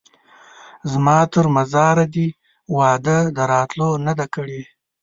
زما تر مزاره دي وعده د راتلو نه ده کړې